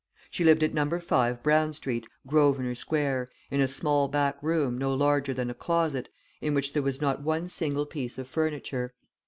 She lived at No. 5 Brown Street, Grosvenor Square, in a small back room no larger than a closet, in which there was not one single piece of furniture.